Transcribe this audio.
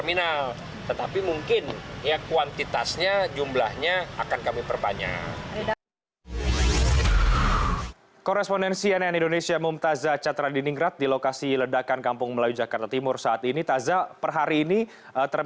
hal ini dilakukan untuk memastikan penumpang nyaman menggunakan halte